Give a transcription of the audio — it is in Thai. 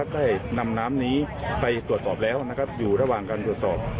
ได้นำน้ำนี้ไปตรวจสอบแล้วนะครับอยู่ระหว่างการตรวจสอบ